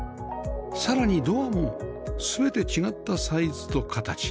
さらにドアも全て違ったサイズと形